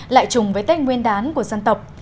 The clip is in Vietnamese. lại chùng với tên nguyên đán của dân tộc